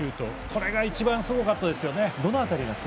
今のが、一番すごかったですね。